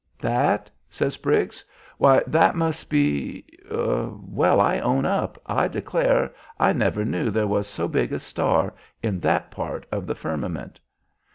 "'That?' says Briggs. 'Why, that must be Well, I own up. I declare I never knew there was so big a star in that part of the firmament!'